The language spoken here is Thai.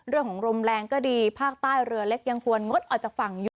ลมแรงก็ดีภาคใต้เรือเล็กยังควรงดออกจากฝั่งอยู่